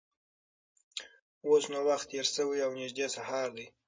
اوس نو وخت تېر شوی او نږدې سهار دی.